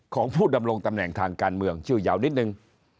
ของผู้ดำรงตำแหน่งทางการเมืองชื่อยาวนิดนึง